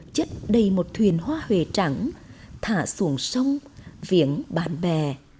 chất đầy một thuyền hoa hề trắng thả xuồng sông viếng bạn bè